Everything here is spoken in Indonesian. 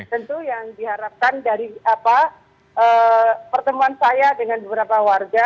tentu yang diharapkan dari pertemuan saya dengan beberapa warga